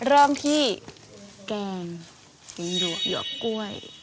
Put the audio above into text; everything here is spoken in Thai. เริ่มที่แกงหยวกกล้วย